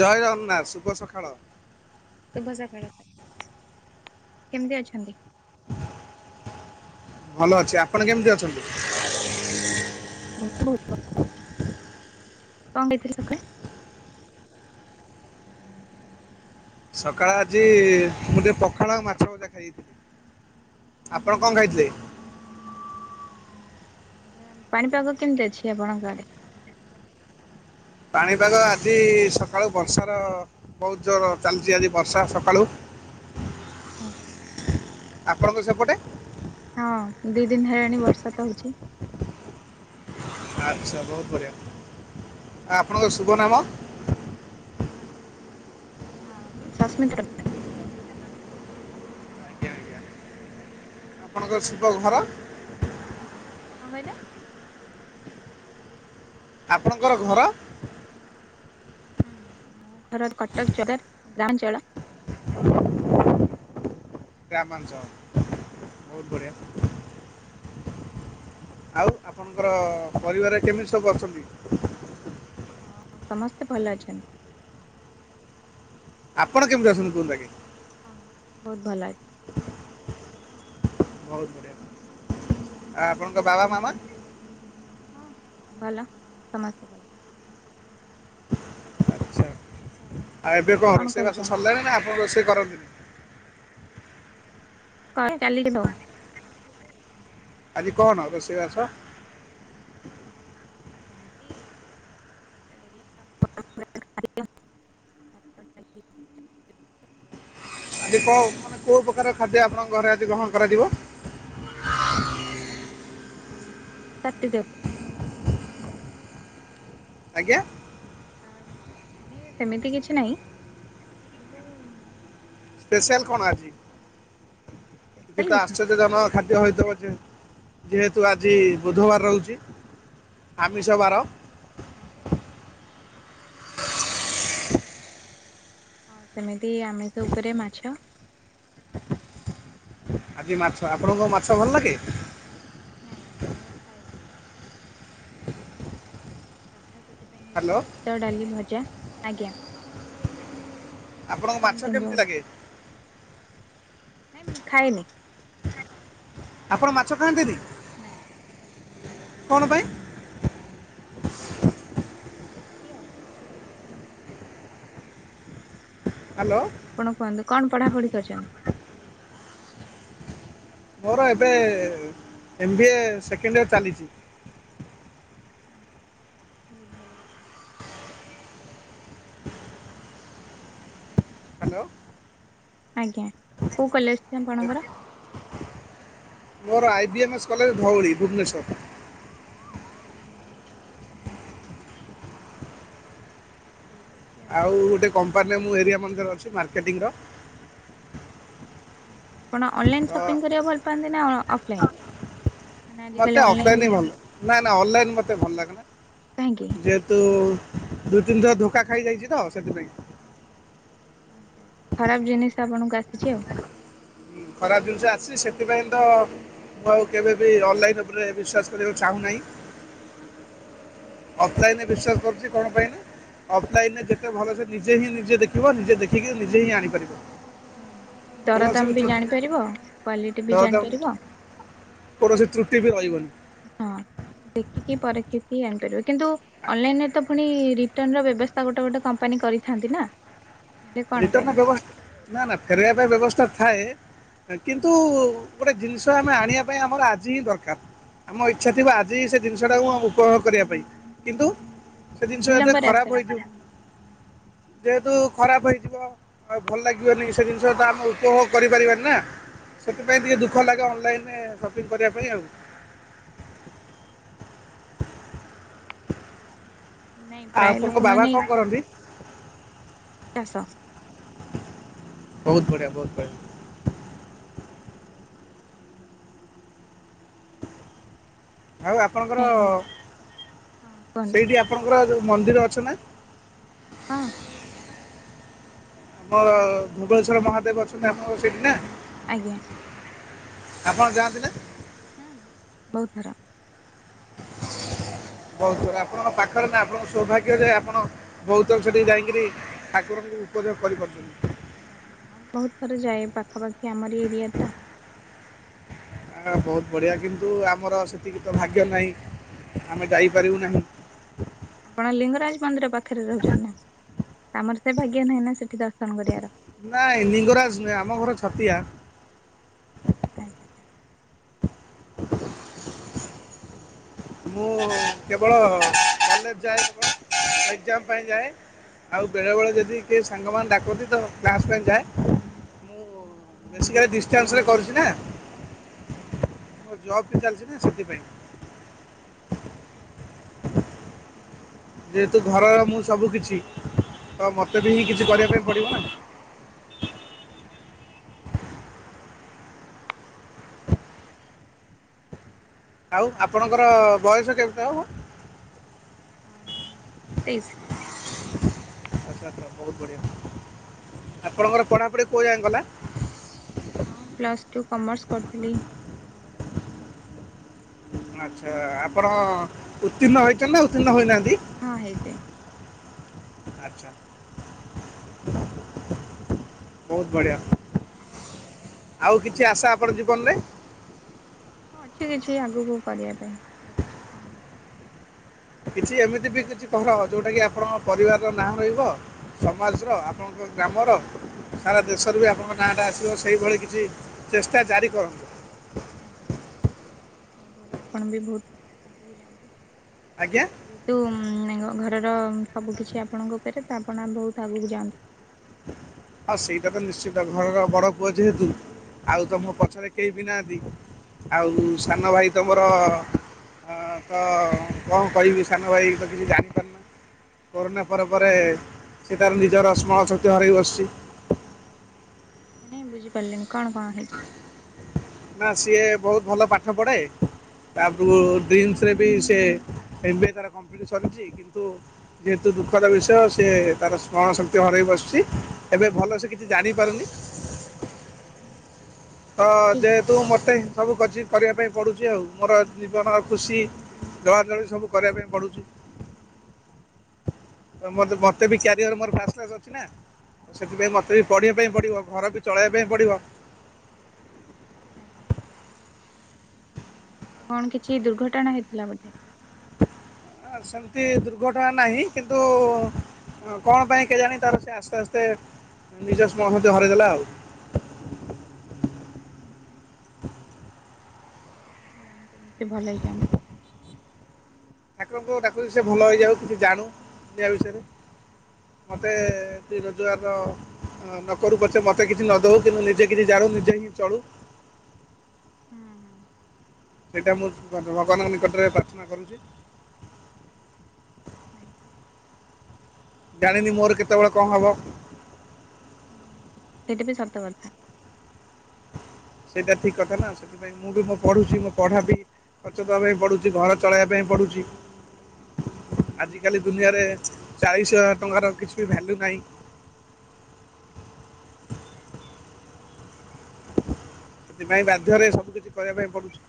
ଜୟ ଜଗନ୍ନାଥ ଶୁଭ ସଖାଳ। ଶୁଭ ସକାଳ ତ କେମିତି ଅଛନ୍ତି? ଭଲ ଅଛି ଆପଣ କେମିତି ଅଛନ୍ତି? ମୁଁ ବି ବହୁତ୍ ଭଲ ଅଛି କଣ ଖାଇଥିଲେ ସକାଳେ? ସକାଳେ ଆଜି ମୁଁ ଟିକେ ପଖାଳ ଆଉ ମାଛ ଭଜା ଖାଇଦେଇଥିଲି। ଆପଣ କଣ ଖାଇଥିଲେ? ବ [unintelligible] ଆଚ୍ଛା ପାଣିପାଗ କେମିତି ଅଛି ଆପଣଙ୍କ ଆଡେ? ପାଣିପାଗ ଆଜି ସକାଳୁ ବର୍ଷାର ବହୁତ ଜୋର୍ ଚାଲିଚି ଆଜି ବର୍ଷା ସକାଳୁ। ଆପଣଙ୍କ ସେପଟେ? ହଁ ଦି ଦିନ ହେଲାଣି ବର୍ଷା ତ ହଉଛି। ଆଚ୍ଛା ବହୁତ ବଢିଆ ଆ ଆପଣଙ୍କ ଶୁଭ ନାମ? ହଁ ସସ୍ମିିତା ଆଜ୍ଞା ଆଜ୍ଞା ଆପଣଙ୍କର ଶିବ ଘର କଣ କହିଲେ? ଆପଣଙ୍କର ଘର? ହୁଁ ମୋ ଘର କଟକ ସଦର ଗାଁ ମାଞ୍ଚଳ। ଗ୍ରାମାଞ୍ଚଳ ବହୁତ ବଢ଼ିଆ। ଆଜ୍ଞା। ଆଉ ଆପଣଙ୍କର ପରିବାରରେ କେମିତି ସବୁ ଅଛନ୍ତି? ହଁ ସମସ୍ତେ ଭଲ ଅଛନ୍ତି। ଆପଣ କେମିତି ଅଛନ୍ତି କୁହନ୍ତୁ ଆଗେ? ହଁ ବହୁତ ଭଲ ଅଛି। ବହୁତ ବଢ଼ିଆ ଆ ଆପଣଙ୍କ ବାବା ମାମା ହଁ ଭଲ ସମସ୍ତେ ଭଲ। ଆଚ୍ଛା ଆଚ୍ଛା, ଆଉ ଏବେ କଣ ରୋଷେଇ ବାସ ସରିଲାଣି ନା ଆପଣ ରୋଷେଇ କରନ୍ତିନି? କଣ ଚାଲିଛି ସବୁ? ଆଜି କଣ ହେବ ରୋଷେଇ ବାସ? ଏମିତି [unintelligible] ଆଜି କ ମାନେ କୋଉ ପ୍ରକାର ଖାଦ୍ୟ ଆପଣଙ୍କ ଘରେ ଆଜି ଗ୍ରହଣ କରାଯିବ? ହଁ କାଟିଦିଅନ୍ତୁ। ଆଜ୍ଞା। ମାନେ ସେମିତି କିଛି ନାହିଁ କିନ୍ତୁ। ସ୍ପେସିଆଲ୍ କଣ ଆଜି କିଛି ସ୍ପେଶାଲ ତ କିଛି ଆଶ୍ଚର୍ଯ୍ୟଜନକ ଖାଦ୍ୟ ହୋଇଥିବ ବୋଧେ ପଛେ ଯେହେତୁ ଆଜି ବୁଧବାର ରହୁଛି। ଆମିଷ ବାର ଆଜ୍ଞା। ହଁ ସେମିତି ଆମିଷ ଉପରେ ମାଛ। ଆଜି ମାଛ ଆପଣକୁଙ୍କ ମାଛ ଭଲ ଲାଗେ? ନାଇଁ ମୁଁ ଖାଏନି। ହ୍ୟାଲୋ ଭାତ ଡାଲି ଭଜା ଆଜ୍ଞା। ଆଉ ଆପଣଙ୍କୁ ମାଛ କଣ କେମିତି ଲାଗେ? ନାଇଁ ମୁଁ ଖାଏନି। ଆପଣ ମାଛ ଖାନ୍ତିନି? ନାଇଁ। କଣ ପାଇଁ? ଏମିତି ଆଉ। ହ୍ୟାଲୋ ଆପଣ କୁହନ୍ତୁ କଣ ପଢାପଢି କରିଚନ୍ତି? ମୋର ଏବେ M B A second year ଚାଲିଚି। ଆଜ୍ଞା ବହୁତ ଭଲ କଥା। ହାଲୋ। ଆଜ୍ଞା କୋଉ କଲେଜଟା ଆପଣଙ୍କର? ମୋର I B M S college Dhauli, Bhubaneswar. [unintelligible] ଠିକ୍ ଅ ଆଉ ଗୋଟେ କମ୍ପାନୀର ଏରିଆ ମାନଜର ଅଛି ମାର୍କେଟିଙ୍ଗର। ଆପଣ ଅନଲାଇନ ତ ସପିଂ କରିବାକୁ ଭଲ ପାଆନ୍ତି ନା ଅ ଅ ଅଫଲାଇନ୍? ମତେ ଅଫଲାଇନ୍ ହିଁ ଭଲ ନାଇଁ ନଁ ଅନଲାଇନ୍ ମତେ ଭଲ କାହିଁକି? ଲାଗେନା ଯେ ତୁ ଦୁଇ ତିନିଥର ଧୋକା ଖାଇଯାଇଛି ତ ସେଥିପାଇଁ। ଖରାପ ଜିନିଷ ଆପଣଙ୍କୁ ଆସିଛି ଆଉ। ଖରାପ ଜିନିଷ ଆସିଛି ସେଥିପାଇଁ ତ ମୁଁ ଆଉ କେବେ ବି ଅନଲାଇନ୍ ଉପରେ ବିଶ୍ୱାସ କରିବାକୁ ଚାହୁଁନାହିଁ। ହୁଁ। ଅଫ୍ଲାଇନରେ ବିଶ୍ଵାସ କରୁଛି କଣ ପାଇଁ ନା ଅଫଲାଇନ ରେ ଯେତେ ଭଲ ସେ ନିଜେ ହିଁ ନିଜେ ଦେଖିବ ନିଜେ ଦେଖିକି ନିଜେ ହିଁ ଆଣିପାରିବ। ହୁଁ କୌଣସି ଦରଦାମ ବି ତ୍ରୁଟି ଜାଣିପାରିବ କ୍ଵାଲିଟି ବି ଧର ତ ଜାଣିପାରିବ। କୌଣସି ତ୍ରୁଟି ବି ରହିବନି। ହଁ ଦେଖିକି ପରକ୍ଷିକି ଆଣିପାରିବ କିନ୍ତୁ ଅନଲାଇନରେ ତ ପୁଣି ରିଟର୍ନଣ ର ବ୍ୟବସ୍ଥା ଗୋଟେ ଗୋଟେ କମ୍ପାନୀ କରିଥାନ୍ତି ନା। ତାହେଲେ କଣ ପାଇଁ ରିଟର୍ନ ର ବ୍ୟବସ୍ ନା ନା ଫେରାଇବା ପାଇଁ ବ୍ୟବସ୍ଥା ଥାଏ। କିନ୍ତୁ ଗୋଟେ ଜିନିଷ ଆମେ ଆଣିବା ପାଇଁ ଆମର ଆଜି ହିଁ ଦରକାର। ଆମ ଇଚ୍ଛା ଥିବ ଆଜି ସେ ଜିନିଷଟାକୁ ଉପଭୋଗ କରିବା ପାଇଁ। କିନ୍ତୁ ସେ ଜିନିଷ ଏତେ ବିଳମ୍ବରେ ଆସେ ଖରାପ ହୋଇଥି ଯେହେତୁ ଖରାପ ହେଇ ବ ଆଉ ଭଲ ଲାଗିବନି ସେ ଜିନିଷଟା ଆମେ ଉପଭୋଗ କରିପାରିବାନି ନା। ସେଥିପାଇଁ ଟିକେ ଦୁଃଖ ଲାଗେ ଅନଲାଇନରେ ସପିଙ୍ଗ କରିବା ପାଇଁ ଆଉ। ନାଇଁ ଆଉ ପ୍ରାୟ ଆପଣଙ୍କ ବାବା ଲୋକମାନେ କଣ କରନ୍ତି ଚାଷ ବହୁତ ବଢ଼ିଆ ବହୁତ ବଆ। ଆଉ ଆପଣଙ୍କର ନାଇଁ ହଁ କୁହନ୍ତୁ ସେଇଠି ଆପଣଙ୍କର ଯୋଉ ମନ୍ଦିର ଅଛ ନା? ହଁ। ଆମର ଧୁବଳେଶ୍ଵର ମହାଦେବ ଅଛନ୍ତି ଆପଣଙ୍କ ସେଇଠି ନା। ଆଜ୍ଞା। ଆପଣ ଯାଆନ୍ତି ନା? ହୁଁ ବହୁତ ଥର। ହ ବହୁତ ଆପଣଙ୍କ ପାଖରେ ନା ଆପଣଙ୍କ ସୌଭାଗ୍ୟ ଯେ ଆପଣ ବହୁତ ଥର ସେଠିକି ଯାଇଙ୍କିରି ଠାକୁରଙ୍କ ଉପଯୋଗ କରିପାରୁଛନ୍ତି। ଆଜ୍ଞା ହଁ ବହୁତ ଥର ଯାଏ ପାଖାପାଖି ଆମରି ଏରିଆ ତ। ଆଉ ବହୁତ ବଢ଼ିଆ କିନ୍ତୁ ଆମର ସେତିକି ତ ଭାଗ୍ୟ ନାହିଁ ଆମେ ଯାଇପାରିବୁ ନାହିଁ। ଆପଣ ଲିଙ୍ଗରାଜ ମନ୍ଦିର ପାଖରେ ରହୁଛନ୍ତି ନା ଆମର ସେ ଭାଗ୍ୟ ନାହିଁ ନା ସେଠି ଦ ର୍ଶନ କରିବାର। ନାଇଁ ନିଙ୍ଗରାଜ ନୁଏ ଆମ ଘର ଛତିଆ। ଆ ଚା ଚା ମୁଁ ହଉ ତାହେଲେ କେବଳ କଲେଜ ଯାଏ କେବଳ ଏକ୍ଜାମ ପାଇଁ ଯାଏ। ଆଉ ବେଳେବେଳେ ଯଦି କିଏ ସାଙ୍ଗମାନେ ଡ଼ାକନ୍ତି ତ କ୍ଲାସ୍ ପାଇଁ ଯାଏ ମୁଁ ବେଶୀକାଲି ଡିଷ୍ଟାନ୍ସରେ କରୁଛି ନା। ଆଜ୍ଞା। ମୋ ଜବ୍ ବି ଚାଲିଚି ନା ସେଥିପାଇଁ। ଓ ହ। ଯେହେତୁ ଘରର ମୁଁ ସବୁ କିଛି ତ ମତେ ବି ହିଁ କିଛି କରିବା ପାଇଁ ପଡିବ ନା। ଆଉ ଆପଣଙ୍କର ବୟସ କେମ ତେ ହବ। ଆଁ ତେଇସି। ଆଛା ଆଛା ବହୁତ ବଢିଆ ଆପଣଙ୍କର ପଢାପଢି କୋଉ ଯାକେଁ ଗଲା। ହଁ ପ୍ଲସ ଟୁ କମର୍ସ କରୁଥିଲି ଏବେ ଘରେ ଅଛି। ଆଚ୍ଛା ଆପଣ ଉତ୍ତୀର୍ଣ୍ଣ ହୋଇଛନ୍ତି ନା ଉତ୍ତୀର୍ଣ୍ଣ ହୋଇନାହାନ୍ତି। ହଁ ହେଇଚି। ଆଛା ବହୁତ ବଢ଼ିଆ। ଆଉ କିଛି ଆଶା ଆପଣ ଜୀବନ ରେ। ହଁ ଅଛି କିଛି ଆଗକୁ କରିବା ପାଇଁ ଦେଖାଯାଉ କଣ ହେଉଚି। କିଛି ଏମିତି ବି କିଛି କର ଯୋଉଟା କି ଆପଣଙ୍କ ପରିବାର ର ନାଁ ରହିବ। ସମାଜର ଆଜ୍ଞା ଆପଣଙ୍କ ଆଜ୍ଞା ଗ୍ରାମର। ସାରା ଦେଶରେ ବି ଆପଣଙ୍କ ନାଁଟା ଆସିବ ସେହିଭଳି କିଛି ଚେଷ୍ଟା ଜାରି କରନ୍ତୁ। ଆଜ୍ଞା ବହୁତ ଭଲ ଆପଣ ବି ବହୁତ ଆଗକୁ ଯାଆନ୍ତୁ। ଆଜ୍ଞା। ଯେହେତୁ ଘରର ସବୁ କିଛି ଆପଣଙ୍କ ଉପରେ ତ ଆପଣ ବହୁତ ଆଗକୁ ଯାଆନ୍ତୁ। ଆ ସେଇଟା ତ ନିଶ୍ଚିତ ଘର ର ବଡ଼ପୁଅ ଯେହେତୁ ଆଉ ତ ମୋ ପଛରେ କେହି ବି ନାହାଁନ୍ତି ଆଉ ସାନ ଭାଇ ତ ମୋର ଅ କ କଣ କହିବି ସାନ ଭାଇ ତ କିଛି ଜାଣି କରୋନା ପରେ ପରେ ସେ ତାର ନିଜର ସ୍ମରଣ ଶକ୍ତି ହରେଇ ବସିଚି। ମାନେ ବୁଝି ପାରିଲିନି କଣ କଣ ହେଇଚି। ନା ସିଏ ବହୁତ ଭଲ ପାଠ ପଢେ। ତାପରକୁ ଡ୍ରିମ୍ସରେ ବି ସେ ଏମ୍ ବି ଏଇ ତାର କମ୍ପ୍ଲିଟ ସରିଚି କିନ୍ତୁ? ଯେହେତୁ ଦୁଃଖର ବିଷୟ ସିଏ ତାର ସ୍ମରଣ ଶକ୍ତି ହରେଇ ବସିଚି ଏବେ ଭଲସେ କିଛି ଜାଣିପାରୁନି। ହୁଁ ହୁଁ। ତ ଯେହେତୁ ମୋତେ ସବୁ କଛି କରିବା ପାଇଁ ପଡୁଚି ଆଉ ମୋର ଜୀବନ ଖୁସି ଜଳାଞ୍ଜଳି ସବୁ କରିବା ପାଇଁ ପଡ଼ୁଛି। ତ ମ ମତେ ବି କ୍ୟାରିୟର ମୋର ଫାଷ୍ଟ କ୍ଲାସ ଅଛି ନା ତ ସେଥିପାଇଁ ମତେ ବି ପଢିବା ପାଇଁ ପଡିବ ଘର ବି ଚଳେଇବା ପାଇଁ ପଡିବ। ଆଜ୍ଞା। ତ କଣ କିଛି ଦୁର୍ଘଟଣା ହେଇଥିଲା ବୋଧେ। ଅ ସେମିତି ଦୁର୍ଘଟଣା ନାହିଁ କିନ୍ତୁ? ହଁ କଣ ପାଇଁ କେଜାଣି ତାର ସେ ଆସ୍ତେ ଆସ୍ତେ ନିଜ ସ୍ମରଣ ଶକ୍ତି ହରେଇଦେଲା ଆଉ। ହଁ ହୁଁ। ଭଗବାନ କରନ୍ତୁ ଭଲ ହେଇଯାଆନ୍ତୁ। ଠାକୁରଙ୍କୁ ଡାକୁଚି ସେ ଭଲ ହେଇଯାଉ କିଛି ଜାଣୁ ଦୁନିଆ ବିଷୟରେ। ମୋତେ ସେ ରୋଜଗାର ହଁ ନ କରୁ ପଛେ ମୋତେ କିଛି ନ ଦେଉ କିନ୍ତୁ ନିଜେ କିଛି ଜାଣୁ ନିଜେ ହିଁ ଚଳୁ। ହୁଁ ହୁଁ। ସେଇଟା ମୁଁ ଭ ଭଗବାନଙ୍କ ନିକଟରେ ପ୍ରାର୍ଥନା କରୁଚି। ଆଜ୍ଞା। ଜାଣିନି ମୋର କେତେବେଳେ କଣ ହବ। ହଁ ସେଇଟା ବି ସତ କଥା। ସେଇଟା ଠିକ କଥା ନା ସେଠି ପାଇଁ ମୁଁ ବି ମୋ ପଢ଼ୁଛି ମୋ ପଢ଼ା ବି ଖର୍ଚ୍ଚ ଦବା ପାଇଁ ପଢ଼ୁଚି ଘର ଚଳାଇବା ପାଇଁ ପଡ଼ୁଚି। ଆଜିକାଲି ଦୁନିଆରେ ଚାଳିଶି ହଜାର ଟଙ୍କାର କିଛି ବି ଭାଲ୍ୟୁ ନାହିଁ। ସେଥିପାଇଁ ଆଜ୍ଞା ବାଧ୍ୟରେ ସବୁ କିଛି କରିବା ପାଇଁ ପଡୁଚି।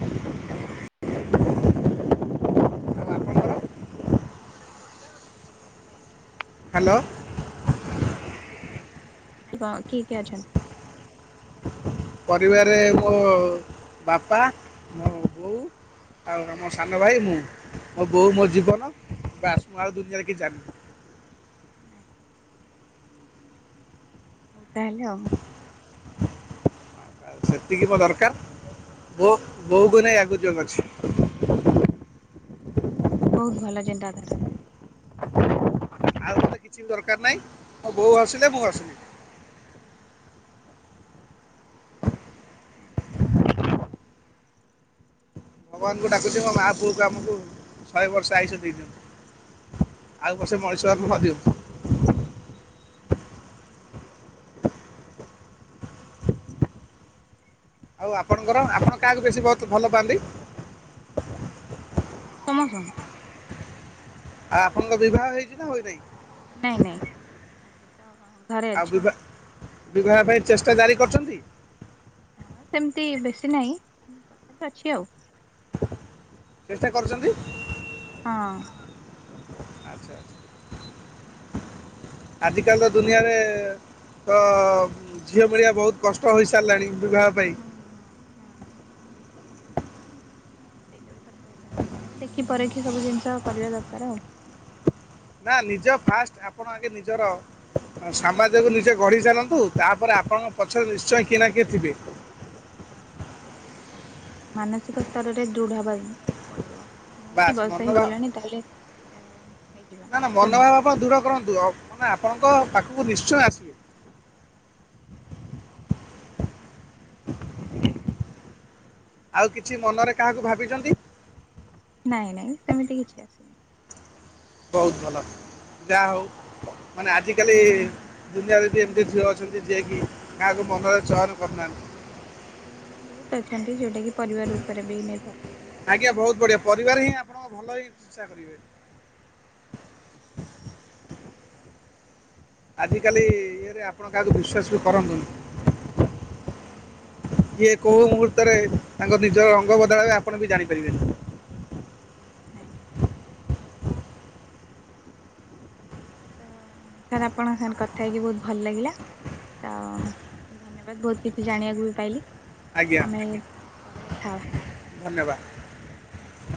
ଆଚ୍ଛା। ଆଉ ଆପଣଙ୍କର ଲଙ୍କିତରେ କଥା ହେଇଛି ହ୍ୟାଲୋ ଆପଣଙ୍କ ଜୀବନ ବିଷାରିକି ଜଣିିକି [inaudible] ଆ କିଏ କିଏ ଅଛନ୍ତି? ପରିବାରରେ ମୋ ବାପା ମୋ ବୋଉ ଆଉ ଆମ ସାନ ଭାଇ ମୁଁ ମୋ ବୋଉ ମୋ ଜୀବନ ବାସ ମୁଁ ଆଉ ଦୁନିଆରେ କିଛି ଜାଣିନି। ଆଁ ହଉ ତାହେଲେ ଆଉ। ସେତିକି ମୋ ଦରକାର ବୋଉ ବୋଉକୁ ନେଇ ଆଗକୁ ଜୀବନ ଅଛି। ବହୁତ ଭଲ ଚିନ୍ତାଧାରା। ଆଉ କିଛି ବି ଦରକାର ନାହିଁ ମୋ ବୋଉ ହସିଲେ ମୁଁ ହସିବି। ଆଜ୍ଞା। ଭଗବାନଙ୍କୁ ଡାକୁଛି ମୋ ମାଆ ପୁଅକୁ ଆମକୁ ଶହେ ବର୍ଷ ଆୟୁଷ ଦେଇଦିଅନ୍ତୁ। ଆଉ ବର୍ଷେ ମଣିଷ ଜନ୍ମ ଦିଅନ୍ତୁ। [inaudible] ଆଉ ଆପଣଙ୍କର ଆପଣ କାହାକୁ ବେଶୀ ବହୁତ ଭଲ ପାଆନ୍ତି? ସମ [unintelligible] ଆଉ ଆପଣଙ୍କ ବିବାହ ହେଇଛି ନା ହୋଇନାହିଁ? ନାଇଁ ନାଇଁ ତ ଘରେ ଆଉ ଅଛି। ବିବା ବିବାହ ପାଇଁ ଚେଷ୍ଟା ଜାରି କରୁଛନ୍ତି? ହଁ ସେମିତି ବେଶୀ ନାହିଁ ତଥାପି ଅଛି ଆଉ। ଚେଷ୍ଟା କରୁଛନ୍ତି। ହଁ। ଆଚ୍ଛା ଆଚ୍ଛା। ଆଜିକାଲି ତ ଦୁନିଆରେ ତ ଝିଅ ମିଳିବା ବହୁତ କଷ୍ଟ ହୋଇସାରିଲାଣି ବିବାହ ପାଇଁ। ହୁଁ ହୁଁ ହୁଁ ସେଇଟା ବି ସତ କଥା ତଥାପି ଦେଖି ପରଖି ସବୁ ଜିନିଷ କରିବା ଦରକାର ଆଉ। ନା ନିଜ ଫାଷ୍ଟ ଆପଣ ଆଗେ ନିଜର ସାମାଜକୁ ନିଜେ ଗଢି ଚାଲନ୍ତୁ ତାପରେ ଆପଣଙ୍କ ପଛରେ ନିଶ୍ଚୟ କିଏ ନା କିଏ ଥିବେ। ହଁ ସେଇଟା ବି ସତ କଥା ମାନସିକ ସ୍ତରରେ ଦୃଢ ହବା ପଡିବ। ନେଇକିି ବାସ୍ ମନ ବର୍ଷେ ବା- ହେଇଗଲାଣି ତାହେଲେ ଏ ହେଇଯିବା ନା ନା ସେଇଟା ନୁହେଁ ମନୋଭାବ ଆପଣ ଦ୍ରୁଢ କରନ୍ତୁ ଅ ମାନେ ଆପଣଙ୍କ ପାଖକୁ ନିଶ୍ଚୟ ଆସି ଆଉ କିଛି ମନରେ କାହାକୁ ଭାବିଛନ୍ତି? ନାଇଁ ନାଇଁ ସେମିତି କିଛି ଆସିନି। ବହୁତ ଭଲ ଯାହା ହଉ ମାନେ ଆଜିକାଲି ଦୁନିଆରେ ବି ଏମିତି ଝିଅ ଅଛନ୍ତି ଯିଏ କି କାହାକୁ ମନରେ ଚୟନ କରୁନାହାନ୍ତି। ବହୁତ ଅଛନ୍ତି ଯଉଟା କିି ପରିବାର ଉପରେ ବି ନିର୍ଭର କର ଆଜ୍ଞା ବହୁତ ବଢିଆ ପରିବାର ହିଁ ଆପଣଙ୍କ ଭଲ ହିଁ ଇଚ୍ଛା କରିବେ। ଆଜିକାଲି ଇଏରେ ଆପଣ କାହାକୁ ବିଶ୍ୱାସ ବି କରନ୍ତୁନି। ହୁଁ। ସେ ବି ସତ କିଏ କୋଉ କଥା ମୁହୂର୍ତ୍ତରେ ତାଙ୍କ ନିଜର ରଙ୍ଗ ବଦାଳବେ ଆପଣ ବି ଜାଣିପାରିବେନି। ଆଜ୍ଞା [inaudible] ତ ସାର୍ ଆପଣଙ୍କ ସାଙ୍ଗରେ କଥା ହେଇକି ବହୁତ ଭଲ ଲାଗିଲା। ତ ଧନ୍ୟବାଦ ବହୁତ କିଛି ଜାଣିବାକୁ ବି ପାଇଲି। ଆଜ୍ଞା ଆମେ ପରେ କଥା ହବା। ଧନ୍ୟବାଦ ଧନ୍ୟବାଦ।